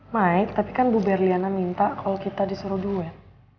naik tapi kan bu berliana minta kalau kita disuruh duet